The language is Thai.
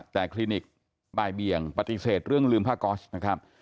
แต่คลินิกบ่ายเบี่ยงปฏิเสธเรื่องลืมผ้าก๊อสนะครับ